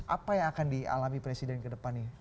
apa yang akan dialami presiden kedepan nih